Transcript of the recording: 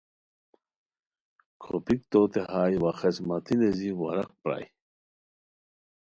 کھوپیک توتے ہائے وا خسمتی نیزی ورق پرائے